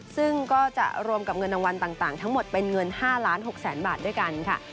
ซึ่งก็จะรวมกับเงินรางวัลต่างทั้งหมดเป็นเงิน๕ล้าน๖แสนบาทด้วยกันค่ะ